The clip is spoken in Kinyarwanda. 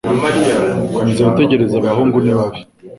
Komeza witegereze abahungu. Ni babi.